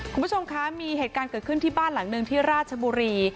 คุณผู้ชมคะมีเหตุการณ์เกิดขึ้นที่บ้านหลังหนึ่งที่ราชบุรี